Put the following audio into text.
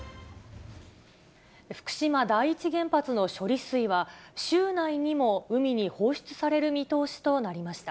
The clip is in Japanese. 福島第一原発の処理水は、週内にも海に放出される見通しとなりました。